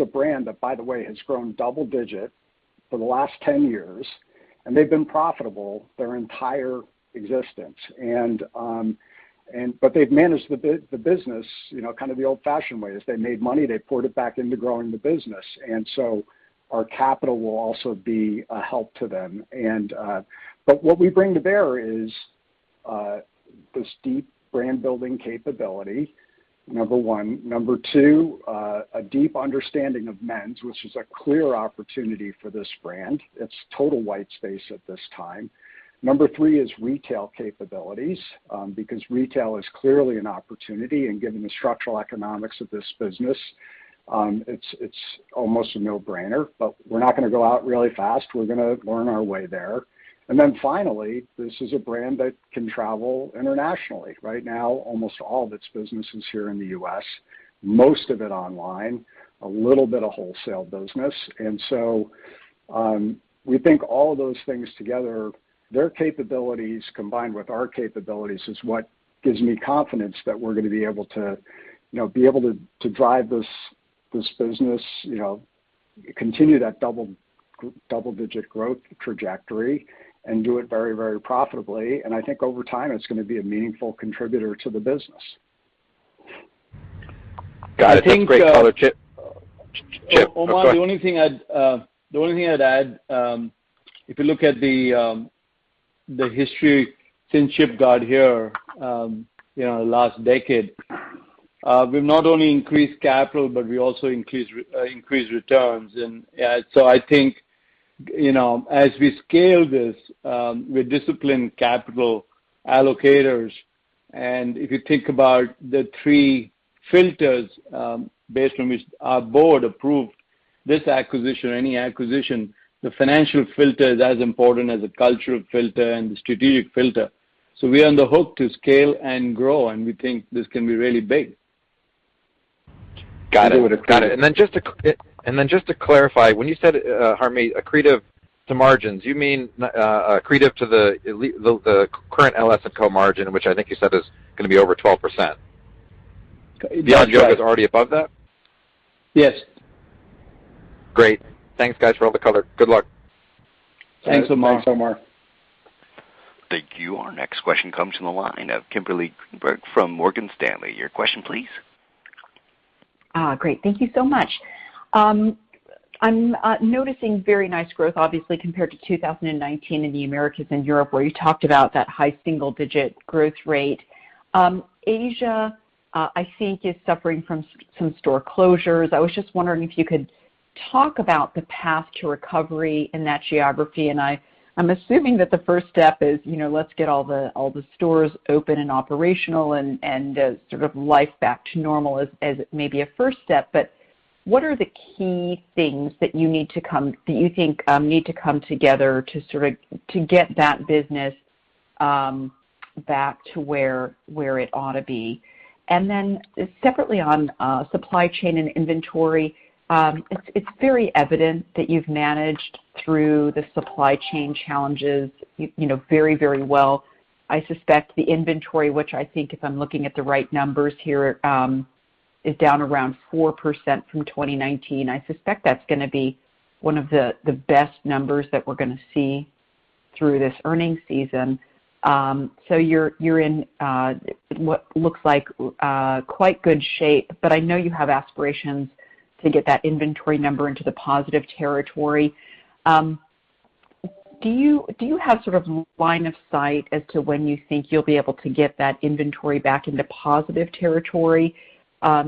a brand that, by the way, has grown double-digit for the last 10 years, and they've been profitable their entire existence. They've managed the business kind of the old-fashioned way. As they made money, they poured it back into growing the business. Our capital will also be a help to them. What we bring to bear is this deep brand-building capability, number 1. Number 2, a deep understanding of men's, which is a clear opportunity for this brand. It's total white space at this time. Number three is retail capabilities, because retail is clearly an opportunity, and given the structural economics of this business, it's almost a no-brainer. We're not going to go out really fast. We're going to learn our way there. Then finally, this is a brand that can travel internationally. Right now, almost all of its business is here in the U.S., most of it online, a little bit of wholesale business. So we think all of those things together, their capabilities combined with our capabilities, is what gives me confidence that we're going to be able to drive this business Continue that double-digit growth trajectory and do it very, very profitably. I think over time, it's going to be a meaningful contributor to the business. Got it. That's great color, Chip. Chip, go ahead. Omar, the only thing I'd add, if you look at the history since Chip got here last decade, we've not only increased capital, but we also increased returns. I think, as we scale this, we're disciplined capital allocators. If you think about the three filters based on which our board approved this acquisition, any acquisition, the financial filter is as important as the cultural filter and the strategic filter. We are on the hook to scale and grow, and we think this can be really big. Got it. Then just to clarify, when you said, Harmit, accretive to margins, you mean accretive to the current LS&Co. margin, which I think you said is going to be over 12%? That's right. Beyond Yoga is already above that? Yes. Great. Thanks guys for all the color. Good luck. Thanks, Omar. Thanks, Omar. Thank you. Our next question comes from the line of Kimberly Greenberger from Morgan Stanley. Your question please. Great. Thank you so much. I'm noticing very nice growth, obviously, compared to 2019 in the Americas and Europe, where you talked about that high single-digit growth rate. Asia, I think is suffering from some store closures. I was just wondering if you could talk about the path to recovery in that geography. I'm assuming that the first step is, let's get all the stores open and operational and sort of life back to normal as maybe a first step. What are the key things that you think need to come together to get that business back to where it ought to be? Then separately on supply chain and inventory. It's very evident that you've managed through the supply chain challenges very, very well. I suspect the inventory, which I think if I'm looking at the right numbers here, is down around 4% from 2019. I suspect that's gonna be one of the best numbers that we're gonna see through this earnings season. You're in what looks like quite good shape, but I know you have aspirations to get that inventory number into the positive territory. Do you have sort of line of sight as to when you think you'll be able to get that inventory back into positive territory? Are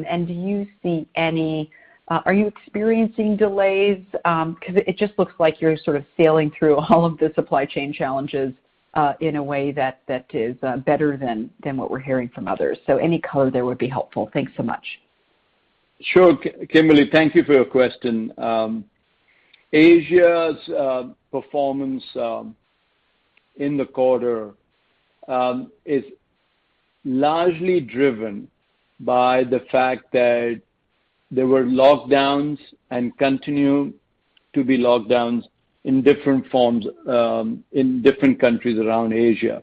you experiencing delays? Because it just looks like you're sort of sailing through all of the supply chain challenges, in a way that is better than what we're hearing from others. Any color there would be helpful. Thanks so much. Sure, Kimberly. Thank you for your question. Asia's performance in the quarter, is largely driven by the fact that there were lockdowns and continue to be lockdowns in different forms, in different countries around Asia.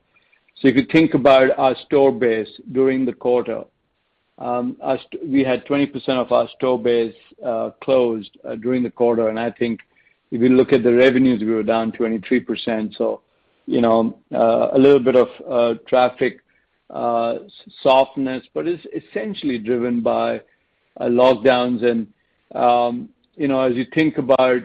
If you think about our store base during the quarter, we had 20% of our store base closed during the quarter, and I think if you look at the revenues, we were down 23%. A little bit of traffic softness, but it's essentially driven by lockdowns and, as you think about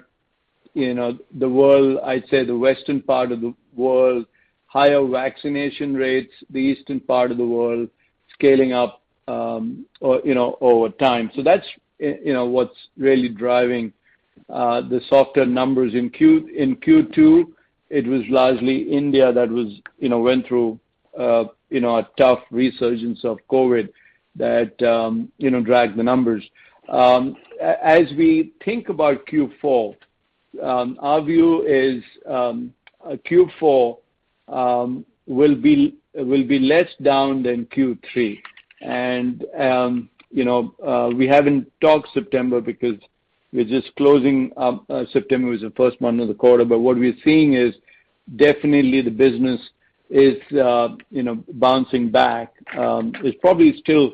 the world, I'd say the Western part of the world, higher vaccination rates, the Eastern part of the world scaling up over time. That's what's really driving the softer numbers in Q2. It was largely India that went through a tough resurgence of COVID that dragged the numbers. As we think about Q4, our view is Q4 will be less down than Q3. We haven't talked September because we're just closing up. September was the first month of the quarter. What we are seeing is definitely the business is bouncing back. It's probably still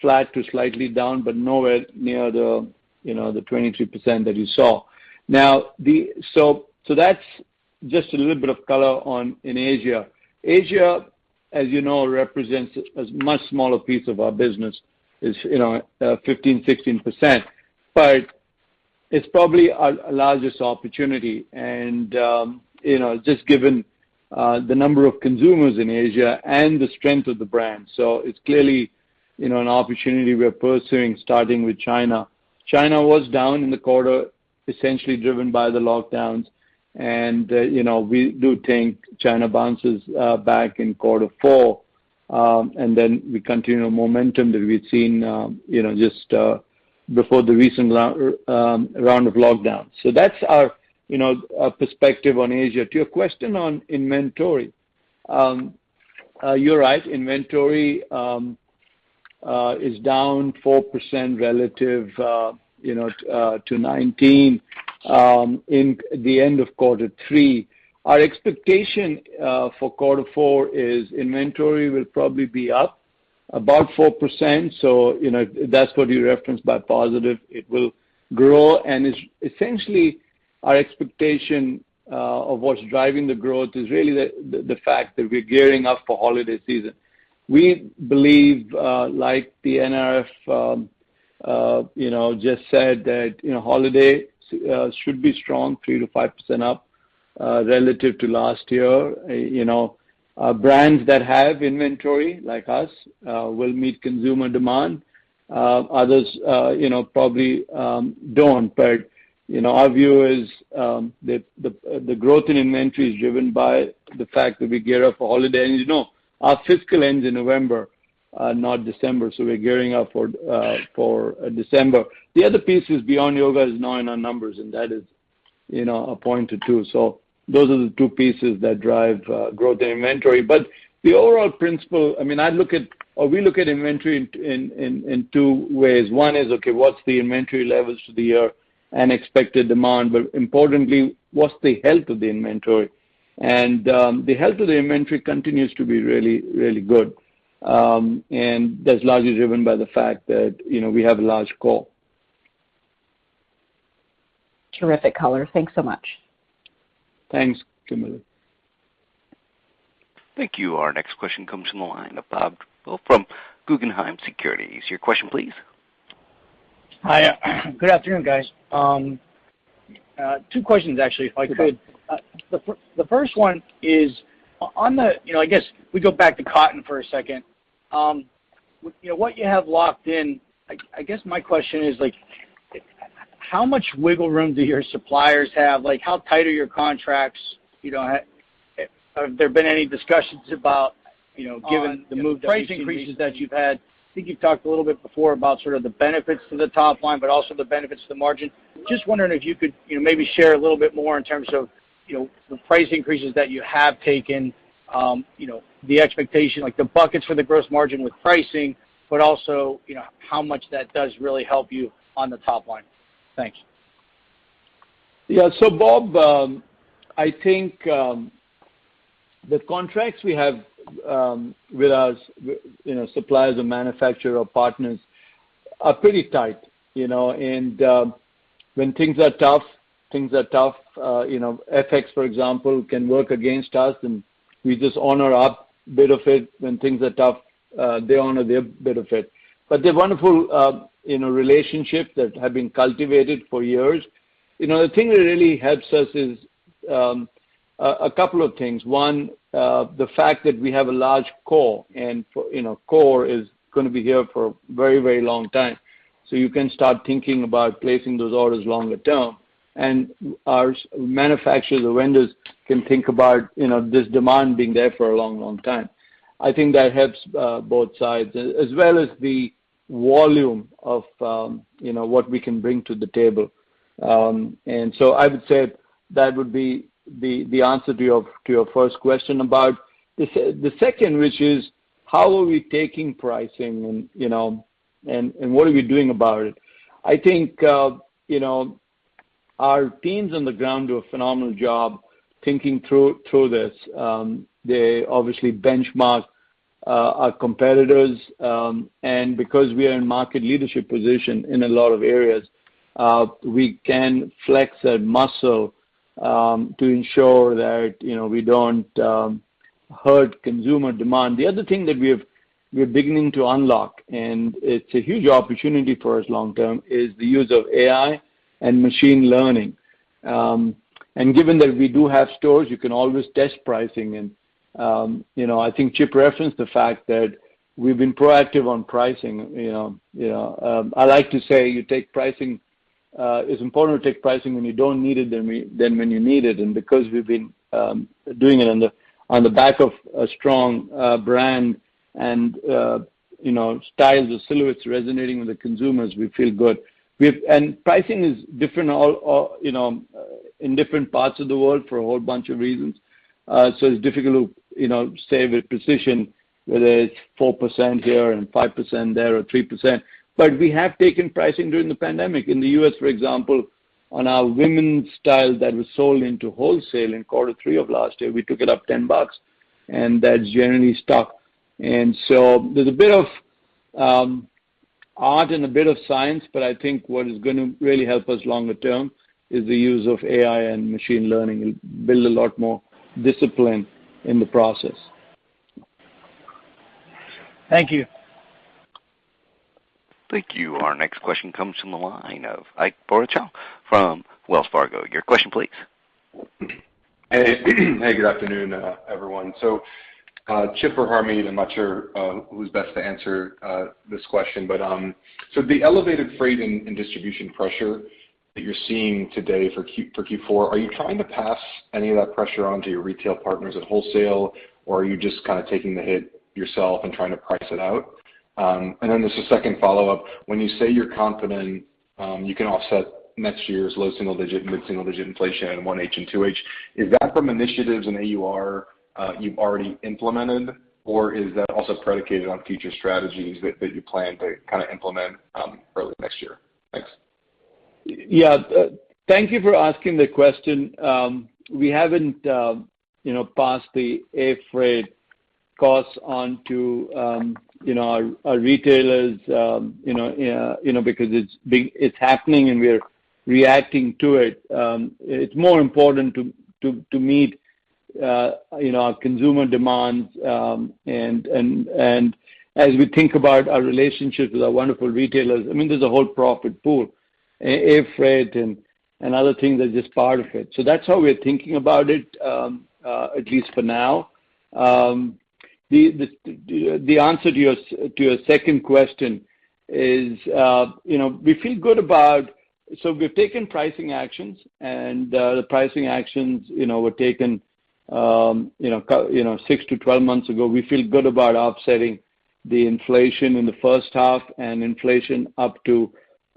flat to slightly down, but nowhere near the 23% that you saw. That's just a little bit of color in Asia. Asia, as you know, represents a much smaller piece of our business. It's 15, 16%, but it's probably our largest opportunity and just given the number of consumers in Asia and the strength of the brand. It's clearly an opportunity we are pursuing, starting with China. China was down in the quarter, essentially driven by the lockdowns. We do think China bounces back in quarter four. we continue the momentum that we've seen just before the recent round of lockdowns. that's our perspective on Asia. To your question on inventory. You're right, inventory is down 4% relative to 2019 in the end of quarter three. Our expectation for quarter four is inventory will probably be up about 4%. that's what you referenced by positive. It will grow, and essentially, our expectation of what's driving the growth is really the fact that we're gearing up for holiday season. We believe, like the NRF just said, that holiday should be strong, 3%-5% up relative to last year. Brands that have inventory, like us, will meet consumer demand. Others probably don't. our view is that the growth in inventory is driven by the fact that we gear up for holiday. as you know, our fiscal ends in November, not December, so we're gearing up for December. The other piece is Beyond Yoga is now in our numbers, and that is a point or two. those are the two pieces that drive growth in inventory. the overall principle, we look at inventory in two ways. One is, okay, what's the inventory levels for the year and expected demand? importantly, what's the health of the inventory? the health of the inventory continues to be really, really good. that's largely driven by the fact that we have a large core. Terrific, Color. Thanks so much. Thanks, Camilla. Thank you. Our next question comes from the line of Bob Drbul from Guggenheim Securities. Your question, please. Hi. Good afternoon, guys. Two questions, actually, if I could. Sure. The first one is, I guess we go back to cotton for a second. What you have locked in, I guess my question is, how much wiggle room do your suppliers have? How tight are your contracts? Have there been any discussions on pricing increases that you've had, I think you've talked a little bit before about sort of the benefits to the top line, but also the benefits to the margin. Just wondering if you could maybe share a little bit more in terms of the price increases that you have taken, the expectation, like the buckets for the gross margin with pricing, but also how much that does really help you on the top line. Thank you. Yeah. Bob, I think the contracts we have with our suppliers or manufacturer partners are pretty tight. When things are tough, things are tough. FX, for example, can work against us, and we just honor our bit of it. When things are tough, they honor their bit of it. They're wonderful relationships that have been cultivated for years. The thing that really helps us is a couple of things. One, the fact that we have a large core, and core is gonna be here for a very, very long time. You can start thinking about placing those orders longer term. Our manufacturers or vendors can think about this demand being there for a long, long time. I think that helps both sides, as well as the volume of what we can bring to the table. I would say that would be the answer to your first question about. The second, which is, how are we taking pricing and what are we doing about it? I think our teams on the ground do a phenomenal job thinking through this. They obviously benchmark our competitors, and because we are in market leadership position in a lot of areas, we can flex that muscle to ensure that we don't hurt consumer demand. The other thing that we're beginning to unlock, and it's a huge opportunity for us long term, is the use of AI and machine learning. given that we do have stores, you can always test pricing, and I think Chip referenced the fact that we've been proactive on pricing. I like to say it's important to take pricing when you don't need it than when you need it, and because we've been doing it on the back of a strong brand and styles or silhouettes resonating with the consumers, we feel good. Pricing is different in different parts of the world for a whole bunch of reasons. It's difficult to say with precision whether it's 4% here and 5% there or 3%. We have taken pricing during the pandemic. In the U.S., for example, on our women's style that was sold into wholesale in quarter three of last year, we took it up 10 bucks, and that generally stuck. there's a bit of art and a bit of science, but I think what is gonna really help us longer term is the use of AI and machine learning, and build a lot more discipline in the process. Thank you. Thank you. Our next question comes from the line of Ike Boruchow from Wells Fargo. Your question, please. Hey. Good afternoon, everyone. Chip or Harmit, I'm not sure who's best to answer this question, but so the elevated freight and distribution pressure that you're seeing today for Q4, are you trying to pass any of that pressure on to your retail partners at wholesale, or are you just kind of taking the hit yourself and trying to price it out? Then there's a second follow-up. When you say you're confident you can offset next year's low single digit and mid-single digit inflation in 1H and 2H, is that from initiatives in AUR you've already implemented, or is that also predicated on future strategies that you plan to implement early next year? Thanks. Yeah. Thank you for asking the question. We haven't passed the air freight costs on to our retailers because it's happening, and we're reacting to it. It's more important to meet our consumer demands, and as we think about our relationship with our wonderful retailers, there's a whole profit pool, air freight and other things are just part of it. That's how we're thinking about it, at least for now. The answer to your second question is we've taken pricing actions, and the pricing actions were taken six to 12 months ago. We feel good about offsetting the inflation in the first half and inflation up to,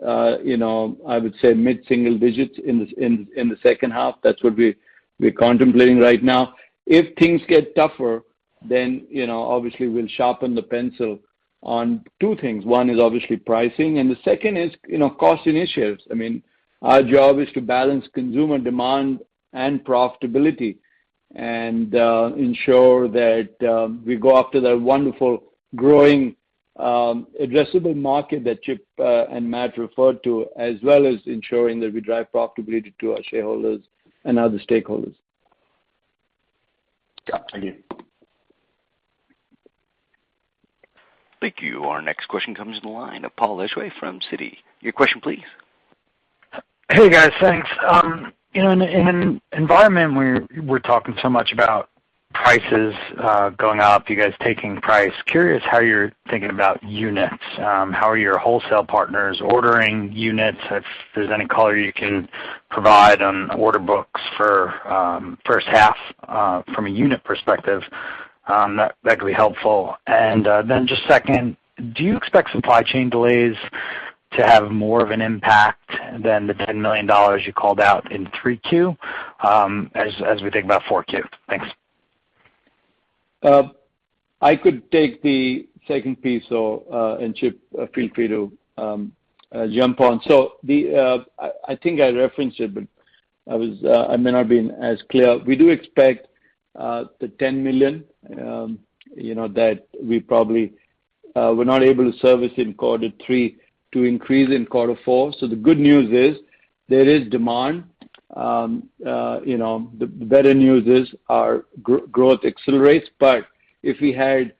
I would say, mid-single digits in the second half. That's what we're contemplating right now. If things get tougher, then obviously we'll sharpen the pencil on two things. One is obviously pricing, and the second is cost initiatives. Our job is to balance consumer demand and profitability and ensure that we go after that wonderful growing addressable market that Chip and Matt referred to, as well as ensuring that we drive profitability to our shareholders and other stakeholders. Thank you. Thank you. Our next question comes from the line of Paul Lejuez from Citi. Your question, please. Hey, guys. Thanks. In an environment where we're talking so much about prices going up, you guys taking price, curious how you're thinking about units. How are your wholesale partners ordering units? If there's any color you can provide on order books for first half from a unit perspective, that'd be helpful. Just second, do you expect supply chain delays to have more of an impact than the $10 million you called out in 3Q as we think about 4Q? Thanks. I could take the second piece, and Chip, feel free to jump on. I think I referenced it, but I may not have been as clear. We do expect the $10 million that we probably were not able to service in quarter three to increase in quarter four. The good news is there is demand. The better news is our growth accelerates, but if we had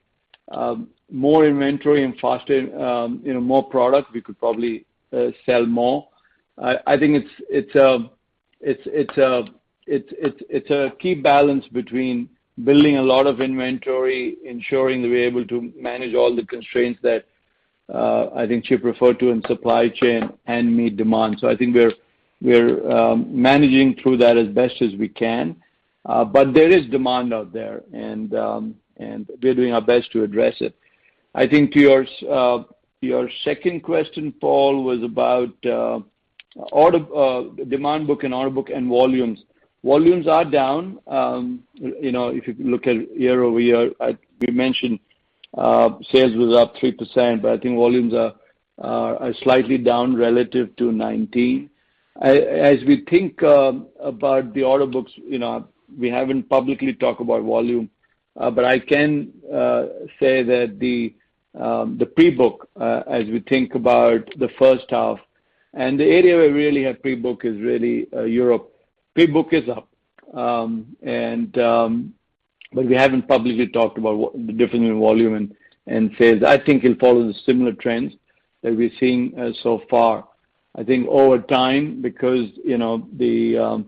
more inventory and more product, we could probably sell more. I think it's a key balance between building a lot of inventory, ensuring that we're able to manage all the constraints that I think Chip referred to in supply chain and meet demand. I think we're managing through that as best as we can. There is demand out there, and we're doing our best to address it. I think to your second question, Paul, was about demand book and order book and volumes. Volumes are down. If you look at year-over-year, we mentioned sales was up 3%, but I think volumes are slightly down relative to 2019. As we think about the order books, we haven't publicly talked about volume, but I can say that the pre-book, as we think about the first half, and the area we really have pre-book is really Europe. Pre-book is up, but we haven't publicly talked about the difference in volume and sales. I think it'll follow the similar trends that we're seeing so far. I think over time, because the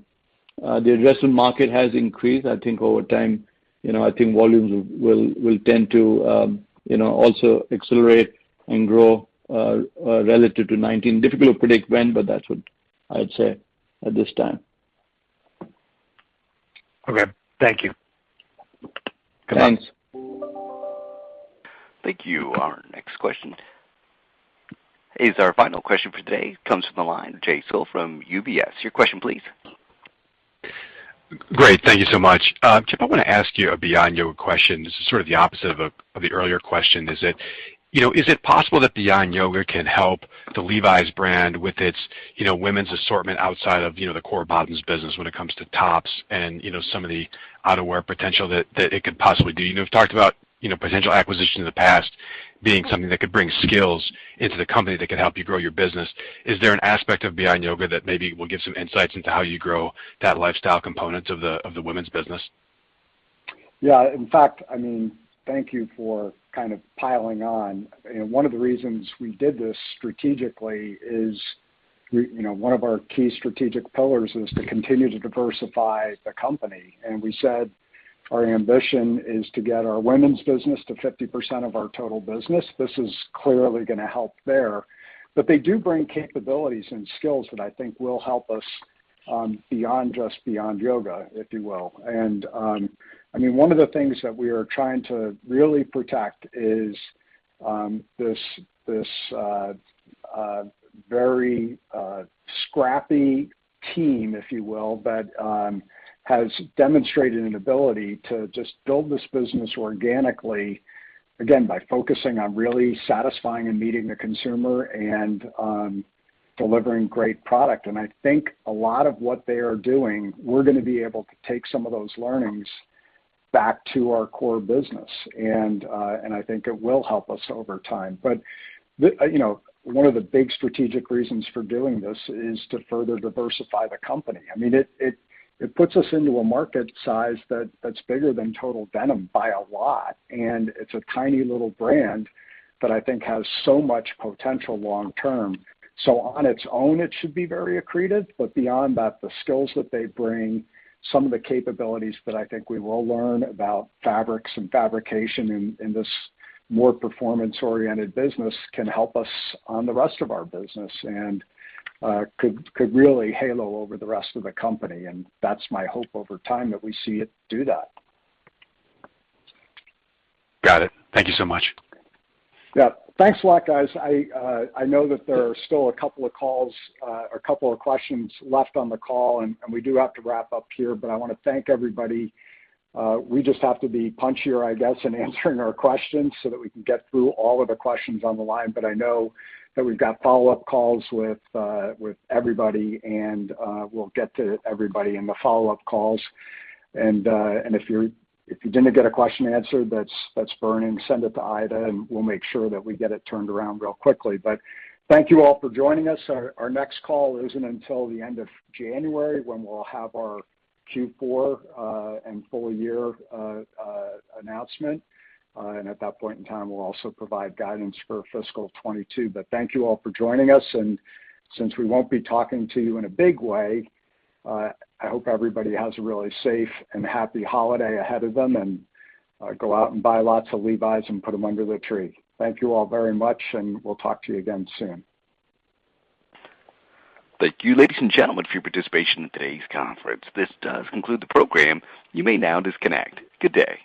addressable market has increased, I think over time, volumes will tend to also accelerate and grow relative to 2019. Difficult to predict when, but that's what I'd say at this time. Okay. Thank you. Thanks. Thank you. Our next question is our final question for today. Comes from the line, Jay Sole from UBS. Your question, please. Great. Thank you so much. Chip, I want to ask you a Beyond Yoga question. This is sort of the opposite of the earlier question, is it possible that Beyond Yoga can help the Levi's brand with its women's assortment outside of the core bottoms business when it comes to tops and some of the outerwear potential that it could possibly do? You've talked about potential acquisitions in the past being something that could bring skills into the company that could help you grow your business. Is there an aspect of Beyond Yoga that maybe will give some insights into how you grow that lifestyle component of the women's business? Yeah. In fact, thank you for kind of piling on. One of the reasons we did this strategically is one of our key strategic pillars is to continue to diversify the company. We said our ambition is to get our women's business to 50% of our total business. This is clearly going to help there. They do bring capabilities and skills that I think will help us beyond just Beyond Yoga, if you will. One of the things that we are trying to really protect is this very scrappy team, if you will, that has demonstrated an ability to just build this business organically, again, by focusing on really satisfying and meeting the consumer and delivering great product. I think a lot of what they are doing, we're going to be able to take some of those learnings back to our core business. I think it will help us over time. One of the big strategic reasons for doing this is to further diversify the company. It puts us into a market size that's bigger than total denim by a lot, and it's a tiny little brand that I think has so much potential long term. On its own, it should be very accretive. Beyond that, the skills that they bring, some of the capabilities that I think we will learn about fabrics and fabrication in this more performance-oriented business can help us on the rest of our business, and could really halo over the rest of the company, and that's my hope over time that we see it do that. Got it. Thank you so much. Yeah. Thanks a lot, guys. I know that there are still a couple of questions left on the call, and we do have to wrap up here, but I want to thank everybody. We just have to be punchier, I guess, in answering our questions so that we can get through all of the questions on the line. I know that we've got follow-up calls with everybody, and we'll get to everybody in the follow-up calls. If you didn't get a question answered that's burning, send it to Aida, and we'll make sure that we get it turned around real quickly. Thank you all for joining us. Our next call isn't until the end of January when we'll have our Q4 and full-year announcement. At that point in time, we'll also provide guidance for fiscal 2022. Thank you all for joining us. Since we won't be talking to you in a big way, I hope everybody has a really safe and happy holiday ahead of them, and go out and buy lots of Levi's and put them under the tree. Thank you all very much, and we'll talk to you again soon. Thank you, ladies and gentlemen, for your participation in today's conference. This does conclude the program. You may now disconnect. Good day.